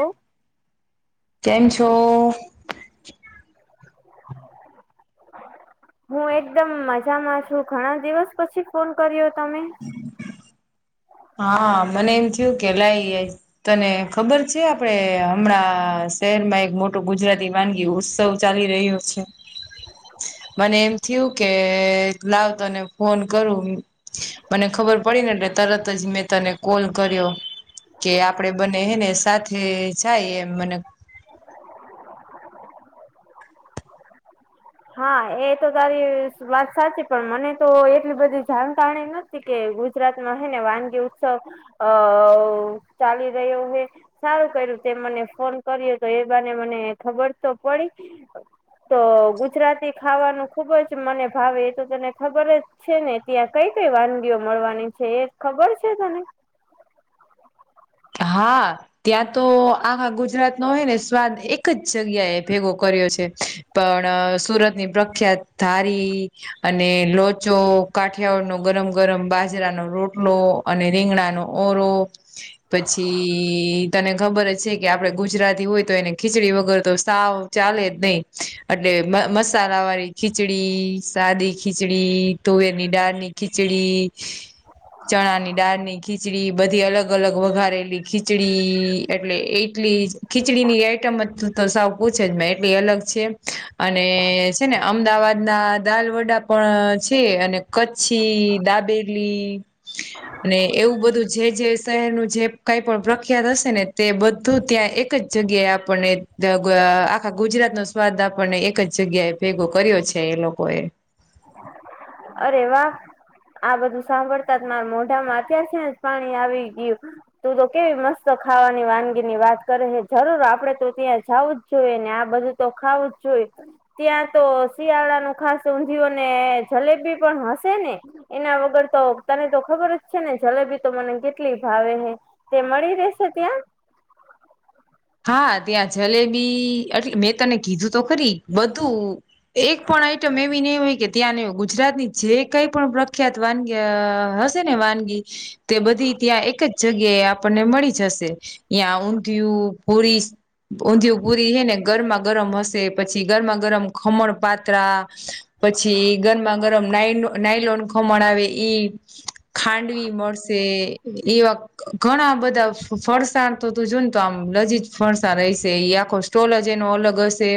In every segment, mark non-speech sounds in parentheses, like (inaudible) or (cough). ઓ કેમ છો? હું એકદમ મજામાં છું ઘણા દિવસ પછી ફોન કર્યો તમે? હમ (inaudible) હા મને એમ થયું કે લઈ તને ખબર છે આપડે હમણાં શહેરમાં એક મોટું ગુજરાતી વાનગી ઉત્સવ ચાલી રહ્યો છે? મને એમ થયું કે લાવ તને ફોન કરું. મને ખબર પડી ને એટલે તરત જ મેં તને કોલ કર્યો. કે આપડે બને હને સાથે જાય એમ મને (inaudible) હા એ તો તારી વાત સાચી પણ મને તો એટલી બધી જાણકારણી નથી. કે ગુજરાત માં હે ને વાનગી ઉત્સવ, અ ચાલી રહ્યો હ. સારું કર્યું તેમ મને ફોન કરી્યો તો એ બને મને ખબર તો પડી. તો ગુજરાતી ખાવાનું ખુબ જ મને ભાવે એ તો તને ખબર જ છે ને ત્યાં કઈ કઈ વાનગીઓ મળવાની છે એ ખબર છે તને? હા. ત્યાં તો આખા ગુજરાત નો હોય ને સ્વાદ એક જ જગ્યાએ ભેગો કર્યો છે. પણ સુરતની પ્રખ્યાત ધારી અને લોચો- કાઠિયાડ નો ગરમ ગરમ બાજરાનો રોટલો અને રીંગણા નો ઓરો. પછી તને ખબર જ છે કે આપડે ગુજરાતી હોય તો એને ખીચડી વગર તો સાવ ચાલે જ નહી, એટલે મસાલા વાળી ખીચડી સાદી ખીચડી. તુવેર ની ડાળ ની ખીચડી, ચણા ની ડાળ ની ખીચડી બધી અલગ અલગ વઘારેલી ખીચડી.. એટલે એટલી ખીચડી ની આઈટમજ -તો સાવ પૂછે જ એટલી અલગ છે અને છે. ને અમદાવાદ ના દાલ વડા- પણ છે. અને કચ્છી દાબેલી- અને એવું બધું જે જે શહેરનું- -જે કઈ પણ પ્રખ્યાત હશે ને તે બધું ત્યાં એક જ જગ્યાએ આપણને આખા ગુજરાતનોો સ્વાદ આપણને એક જ જગ્યાએ ભેગો કર્યો છે. એ લોકોએ- અરે વા.. આ બધું સાંભળતા જ મારા મોઢામાં અત્યાર છેજ પાણી આવી ગયું- તું તો કેવી મસ્ત ખાવાની વાનગીની વાત કરે છેે. જરૂર આપડે તો ત્યાં જાઉં જ- જોય ને આ બધું તો ખાવું જ જોઈએ ત્યાં તો શિયાળા નું ખાસ- અને જલેબી પણ હશે ને- એના વગર તો તને તો ખબર જ છે. ને જલેબી તો મને કેટલી ભાવે હે- તેમડી રશે ત્યાં- હા ત્યાં જલેબી એટ મેં તને કીધું તો ખરી બધું- -એક પણ આઈટમ એવી નહી હોય કે ત્યાં ગુજરાતની જે કઈ પણ પ્રખ્યાત- વાનગી હશે ને વાનગી- તે બધી ત્યાં એક જ જગ્યા એ આપણને મળી જશે. યા ઊંધિયું પૂરી ઊંધિયું પૂરી છે. ને- ગરમા ગરમ હશે પછી ગરમા ગરમ ખમણ પાત્રા- પછી ગરમા ગરમ ના નાઈલોન ખમણ આવે ઈ- ખાંડવી મળશે એ વા- ઘણા બધા ફરસાણ તો તું જો ને તો આમ લજી- ફણસા રશે આખો સ્ટોલ જ એનો અલગ હશે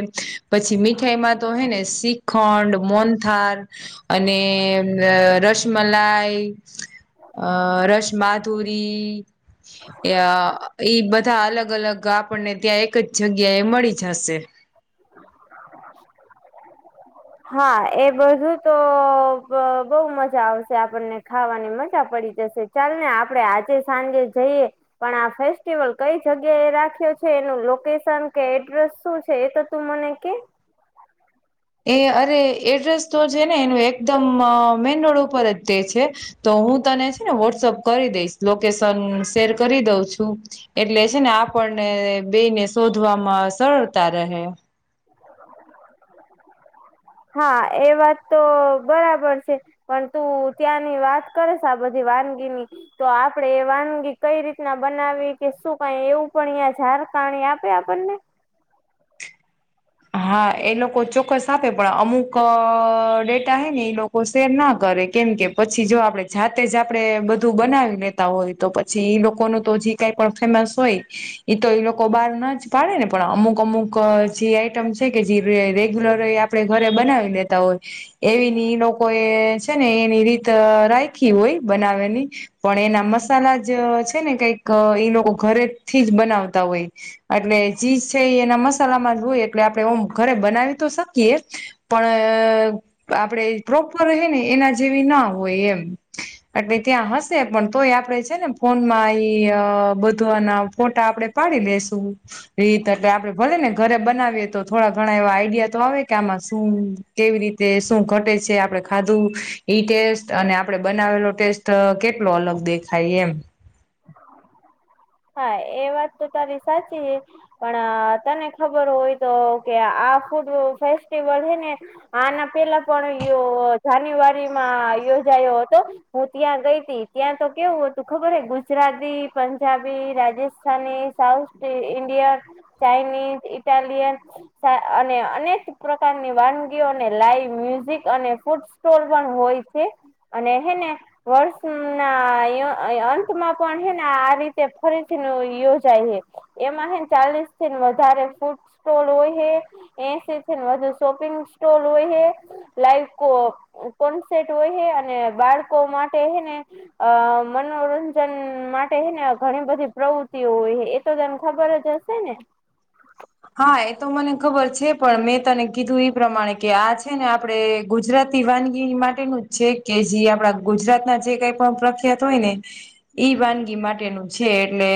પછી મીઠાઈમાં તો હે ને શીખ- ખંડ મોનથાર અને રસમલાઈ- અ રસ માધુરી અ એઈ બધા- બધા અલગ અલગ આપણને ત્યાં એક જ જગ્યાએ મળી જશે. (inaudible) (inaudible) હા એ બધું તો બહુ મજા આવશે આપણને ખાવાની મજા પડી જશે. ચાલ ને આપડે આજે સાંજે જઈએ. પણ આ ફેસ્ટિવલ કઈ જગ્યા એ રાખ્યો છે એનું લોકેશન કે એડ્રેસ શું છે એ તો તું મને- (unintelligible) એ અરે એડ્રેસ તો છે ને એનું એકદમ મેન રોડ ઉપર જ તે છે. તો હું તને છે ને વોટ્સઅપ કરી દઈશ લોકેશન શેર કરી દઉં છું- એટલે છે. ને આપણને બે ને શોધવામાં સરળતા રહે- (inaudible) (inaudible) હા એ વાત તો બરાબર છે. પણ તું ત્યાંની વાત કરેશ આ બધી વાનગીની- -તો આપડે વાનગી કઈ રીતના બનાવી કે શું કઈ એવું પણ અહં ઝારકાણી આપે આપણને- હા એ લોકો ચોક્કસ આપે પણ અમુક ડેટા હૈ ને એ લોકો શેર ના કરે કેમ કેમ- -પછી જો આપડે જાતે જ આપડણે બધું બનાવી લેતા હોય તો પછી ઈ લોકોનું તો જ- ક પણ ફેમસ હોય તો એ લોકો બહાર ના જ પાડે ને પણ અમુક અમુક જે આઈટમ- કે જે રેગ્યુલર આપડણે ઘરે બનાવી દેતા હોય. એવી ની લોકો એ છે ને એની રીત રાખી હોય બનાવેની- -પણ એના મસાલા જ છે ને કઈક એ લોકો ઘરે થી જ બનાવતા હોય- એટલે ચીજ છે એના મસાલામાં હોય એટલે આપણે ઓમ ઘરે બનાવી તો શકીયએ- પણ આપડે પ્રોપર રહે ને એના જેવી ના હોય એમ- એટલે ત્યાં હશે પણ તોય આપડે છે. ને ફોનમાં એ બધના ફોટા આપડે પાડી લેશું રીત એટલે આપડે ભલે ને ઘરે બનાવીએ તો થોડા ઘણા એવા આઈડિયા તો આવે કે આમાં શું કેવી રીતે શું ઘટે છે આપડે ખાધું ઈ ટેસ્ટ અને આપડે બનાવેલો ટેસ્ટ કેટલો અલગ દેખાય એમ હા એ વાત તો તારી સાચી છે. પણ તને ખબર હોય તો કે આ ફૂડ ફેસ્ટિવલ હ ને આના પેલા પણ જાન્યુઆરી માં યોજાયો હતો હું ત્યાં ગઈ હતી ત્યાં તો કેવું તું ખબર હે Gujarati Punjab Rajasthani, south India, Chinese, Italian અને અનેક પ્રકારની વાનગીઓને લાઈવ મ્યુઝિક અને ફૂડ સ્ટોર પણ હોય છે. અને હેને વર્ષ ના અંતમાં પણ હેને આ રીત ફરીથી યયો જાય હ એમાં હ ચાલીસ થી વધારે ફૂડ સ્ટોલ હોય હ. એસી ને વધુ શોપિંગ સ્ટોલ હોય. લાઈ કોટ હોય અને બાળકો માટે હને. અ મનોરંજન માટે ને ઘણી બધી પ્રવૃત્તિઓ હોય એ તો તને ખબર જ હશે ને હા એ તો મને ખબર છે પણ મેં તને કીધું એ પ્રમાણે કે આ છે ને આપણે ગુજરાતી વાનગી માટેનું જ છે કે જે આપડા ગુજરાત ના જે કઈ પણ પ્રખ્યાત હોય ને ઈ વાનગી માટેનું છે એટલે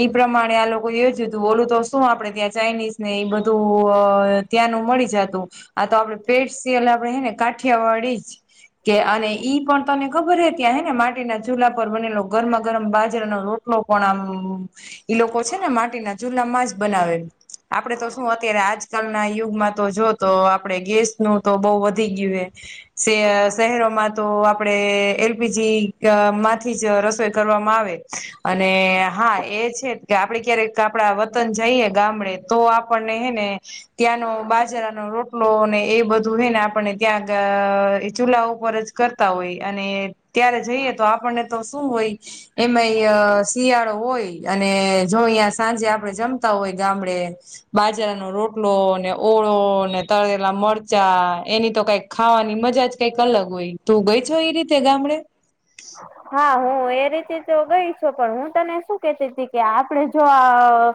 ઈ પ્રમાણે આ લોકો એ જ હતું બોલું તો શું આપડે ત્યાં ચાઇનીઝ ને એ બધું ત્યાંનું મળી જતું આ તો આપડે પેટ સલ આપડે હે ને કાઠિયા વાળી જ. કે અને ઈ પણ તને ખબર હે ત્યાં હે ને માટીના ચૂલા પર બનેલો ગરમા ગરમ બાજરનો રોટ પણ આમ ઈ લોકો છે ને માટીના જુલામાં જ બનાવે આપડે તો શું અત્યારે આજકાલ ના યુગમાં તો જો તો આપડે ગેસ નું તો બઉુ વધી ગયું હ શહેરોમાં. તો આપડે એલપીજી માંથી જ રસોઈ કરવામાં આવે. અને હા એ છે કે આપડે ક્યારેક આપડા વતન જઈએ ગામડે. તો આપણને હે ને. ત્યાંનો બાજરાનો રોટલો ને એ બધું હોય ને આપણને ત્યાં ચૂલા ઉપર જ. કરતા હોય અને ત્યારે જઈએ તો આપણને તો શું હોય. એમાં અ શિયાળો હોય અને જો અહીં સાંજે આપડે જમતા હોય ગામડે. બાજરાનો રોટલો. ઓળો ને તળેલા મરચા એની તો કઈક ખાવાની મજા કઈક અલગ હોય. તું ગઈ છો એ રીતે ગામડે? હા હું એ રીતે તો ગઈ છું પણ હું તને શું કેતી હતી કે આપડે જો આ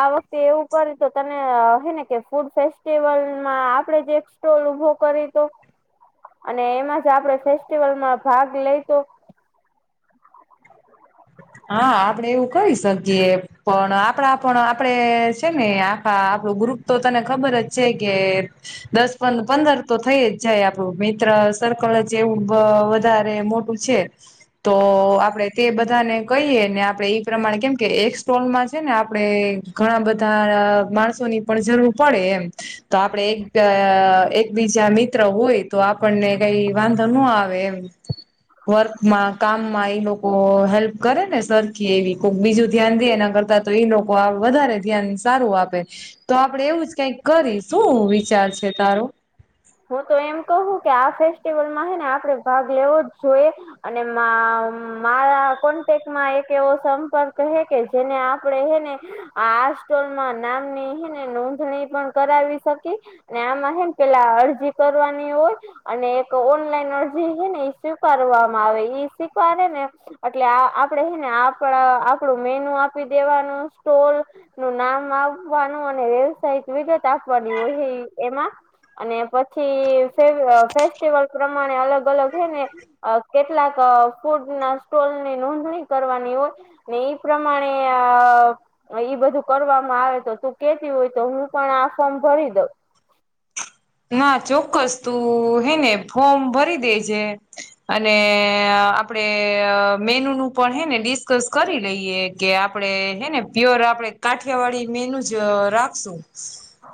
આ વખતે એવું કરે તો તને હેને કે ફૂડ ફેસ્ટિવલમાં આપણે જે. ોલ ઉભો કરી તો અને એમાં જ આપણે ફેસ્ટિવલમાં ભાગ લઈતો. હા આપડે એવું કરીહી શકીએ પણ આપડા પણ આપડે છે ને આખા આપણું ગુપ. તો તને ખબર જ છે કેેર. દસ પંદર તો થઈ જ જાય આપડું મિત્ર સર્કલ જ એવું વધારે મોટ. છે તો આપડે તે બધાને. કહીએ ને આપડે ઈ પ્રમાણે કેમ કે એક સ્ટોલ માં છે ને આપણેે ઘણા બધા માણસોની. પણ જરૂર પડે એમ. તો આપડણે એક એકબીજા મિત્ર હોય તો આપણને કઈ વાંધો ન આવે. વર્કમાં કામમાં એ લોકો હેલ્પ. કરે ને સરખી એવી કોઈ બીજું ધ્યાન દે એના કરતા તો એ લોકો વધારે ધ્યાન સારું આપે. તો આપડે એવું જ કંઈક કરી શું વિચાર છે તારો. હું તો એમ કહું કે આ ફેસ્ટિવલમાં હેને આપડે ભાગ લેવો જ જોઈએ. અને મારા કોન્ટેક્ટમાં એક એવો સંપર્ક હે કે જેને આપણેે હેને આ સ્ટોલમાં નામની હે ને નોંધણી પણ કરાવી શકે. ને આમાં હેમ પહેલા અરજી કરવાની હોય. અને એક ઓનલાઈન અરજી છે ને, એ સ્વીકારવામાં આવે સ્વીકારે ને? એટલે આ આપડે હેને આપણા આપણું મેનુ આપી દેવાનું સ્ટોલ. નું નામ આપવાનું અને વ્યવસાયિક વિગત આપવાની હોય એ. એમાં અને પછી ફેસ્ટિવલ પ્રમાણે અલગ અલગ હે ને. અ કેટલાક ફૂડ ના સ્ટોલ ની નોંધણી કરવાની હોય. એ પ્રમાણે આ. ઈ બધું કરવામાં આવે તો, તું કેતી હોય તો હું પણ આ ફોર્મ ભરી દઉં. ના ચોક્કસ તું હેને ફોર્મ ભરી દે છે. અને આપડે મેનુ નું પણ હે ને ડિસ્કસ કરી લઈએ. કે આપડે હેને પ્યોર આપડે કાઠિયાવાડી મેનું જ રાખશું.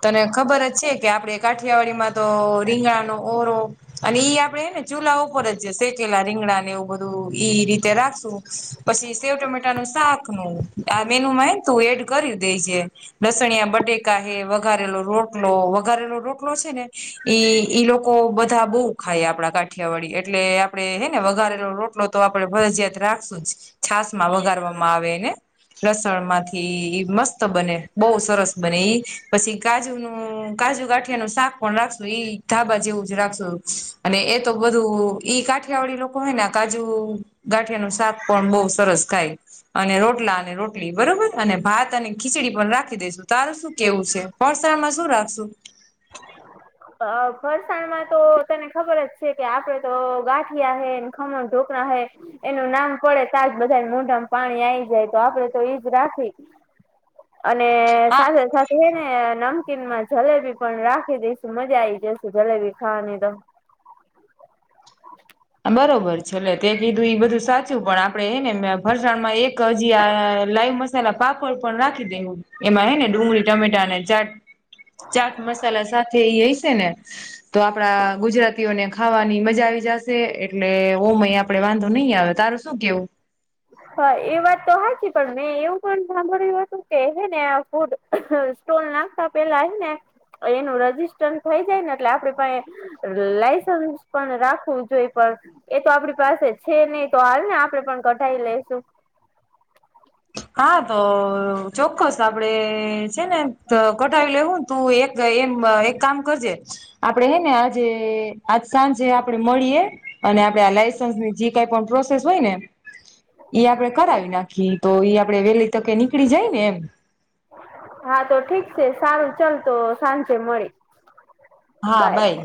તને ખબર જ છે કે આપણે કાઠિયાવાડીમાં તો રીંગણાનું ઓરો અને ઈ આપડે ને ચૂલા ઉપર જ જે સેકેલા રીંગણા ને એવું બધું ઈ રીતે રાખશું. પછી સેવ ટમેટા નું શાક નું આ મેનુ માં એને તું એડ કરી દેજે. લસણિયા બટેકા હે, વઘારેલો રોટલો વઘારેલો રોટલો છે ને. ઈ ઈ લોકો બધા બહુ ખાય, આપડા કાઠિયાવાડી એટલે આપડે હેને વઘારેલો રોટ આટલો તો આપડે ફરજીયાત રાખશું જ, છાસ માં વગારવામાં આવે એને. લસણ માંથી મસ્ત બને, બહુ સરસ બને ઈ. પછી કાજુનું કાજુ ગાંઠિયાનું શાક પણ રાખશું એ. ધાબા જેવું જ રાખશો અને એ તો બધું ઈ કાઠિયાવાડી લોકો હોય ને, કાજુ ગાંઠિયા નુ શાક પણ બહ સરસ ખાય. અને રોટલા અને રોટલી બરોબર, અને ભાત અને ખીચડી પણ રાખી દઈશું. તારું શું કેવું છે? ફરસાણમાં શું રાખશું? અ, ફરસાણમાં તો તને ખબર જ છે કે આપડે તો ગાંઠિયા હે, ખમણ, ઢોકળા હૈ. એનું નામ પડે તાજ બધા મોઢામાં પાણી આઈ જાય, તો આપડે તો એઈજ રાખીશું. અને હા સાથે સાથે એને નમકીન માં જલેબી પણ રાખી દઈશું, મજા આ આવી જશે જલેબી ખાવાની તો. (unintelligible) બરોબર છે, એટલે તે કીધું એ બધું સાચું. પણ આપડે હે ને ફરસાણમાં એક હજી આ લાઈવ મ મસાલા પાપડ પણ રાખી દેવું એમાં હે ને, ડુંગળી, ટમેટા અને ચાટ. ચાટ મસાલા સાથે એ હોય છે ને. તો આપડા ગુજરાતીઓને ખાવાની મજા આવી જશે. એટલે ઓ અહીં આપડે વાંધો નહીં આવે, તારે શું કેવું? હા, એ વાત હાચી. તો હા, પણ મેં એવું પણ સાંભળ્યું હતું કે હે ને આ ફૂડ સ્ટોલ નાખતા પેલા ને એનું રજીિસ્ટર થઈ જાયને, એટલે આપડે પાસે લાયસન્સ પણ રાખવું જોઈ, પણ એ તો આપડી પાસે છે નહીં, તો હાલ ને આપડે પણ કઢાય લેસું. હા, તો ચોક્કસ આપડે છે ને કઢાવી લેવું. તું એક એમ એક કામ કરજે, આપડે હે ને આજે આજ સાંજે આપડે મળીએ અને આપડે આ લઇસન્સની જે કંઈ પણ પ્રોસેસ હોય ને ઈ આપડે કરાવી નાખીએ તો ઈ આપડે વેલી તકે નીકળી જાય ને એમ. હા, તો ઠીક છે. સા, રું ચાલ તો સાંજે મળી. હા, બાય બાઈ.